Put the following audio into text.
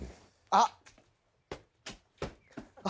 あっ。